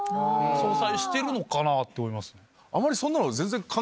相殺してるのかなって思います。